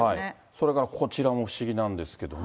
それからこちらも不思議なんですけれども。